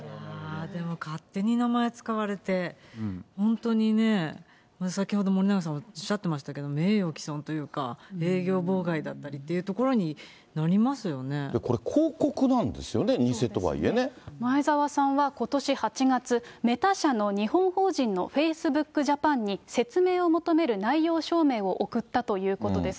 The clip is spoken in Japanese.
でも勝手に名前使われて、本当にね、先ほど、宮根さんおっしゃってましたけど、名誉毀損というか、営業妨害だっこれ、広告なんですよね、偽前澤さんは、ことし８月、メタ社の日本法人のフェイスブックジャパンに説明を求める内容証明を送ったということです。